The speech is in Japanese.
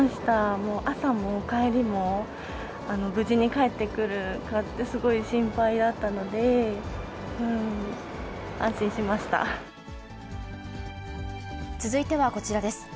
もう朝も帰りも、無事に帰ってくるかって、すごい心配だったので、続いてはこちらです。